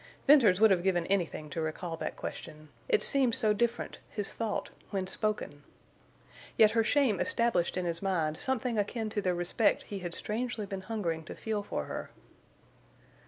Venters would have given anything to recall that question. It seemed so different—his thought when spoken. Yet her shame established in his mind something akin to the respect he had strangely been hungering to feel for her.